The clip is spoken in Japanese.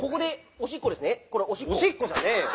「おしっこ」じゃねえよ。